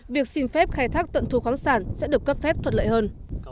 việc xin phép khai thác tận thu khoáng sản sẽ được cấp phép thuận lợi hơn